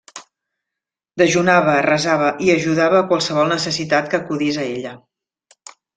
Dejunava, resava i ajudava a qualsevol necessitat que acudís a ella.